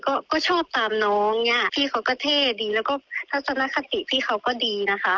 ก็ก็ชอบตามน้องเนี้ยพี่เขาก็เท่ดีแล้วก็ทัศนคติพี่เขาก็ดีนะคะ